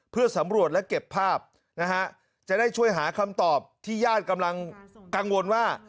เพื่อสำรวจและเก็บภาพนะฮะจะได้ช่วยหาคำตอบที่ญาติกำลังกังวลว่า